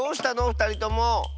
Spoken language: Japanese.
ふたりとも。